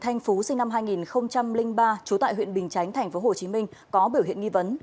thanh phú sinh năm hai nghìn ba trú tại huyện bình chánh tp hcm có biểu hiện nghi vấn